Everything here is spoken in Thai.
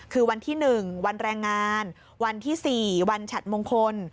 คือวันที่๑วันแรงงานวันที่๔วันฉัดมงคล